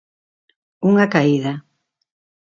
Unha caída.